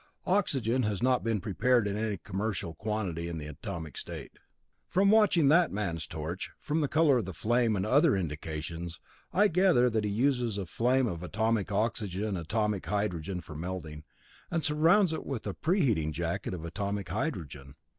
Oxygen has not been prepared in any commercial quantity in the atomic state. From watching that man's torch, from the color of the flame and other indications, I gather that he uses a flame of atomic oxygen atomic hydrogen for melting, and surrounds it with a preheating jacket of atomic hydrogen.